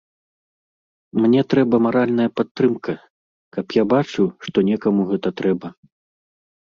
Мне трэба маральная падтрымка, каб я бачыў, што некаму гэта трэба.